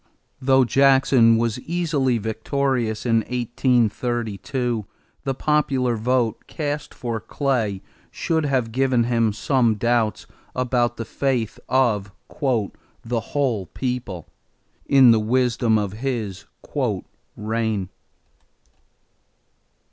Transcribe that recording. Though Jackson was easily victorious in 1832, the popular vote cast for Clay should have given him some doubts about the faith of "the whole people" in the wisdom of his "reign."